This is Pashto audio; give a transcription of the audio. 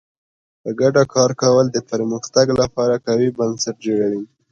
په ګډه کار کول د پرمختګ لپاره قوي بنسټ جوړوي.